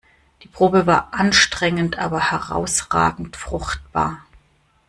Die Probe war anstrengend aber herausragend fruchtbar.